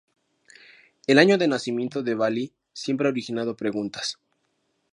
El año de nacimiento de Valli siempre ha originado preguntas.